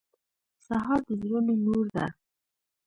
سهار د زړونو نور ده.